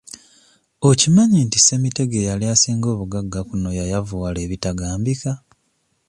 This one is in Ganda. Okimanyi nti Ssemitego eyali asinga obugagga kuno yayavuwala ebitagambika?